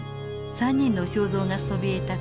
３人の肖像がそびえ立つ